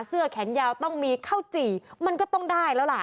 เสื้อแขนยาวต้องมีข้าวจี่มันก็ต้องได้แล้วล่ะ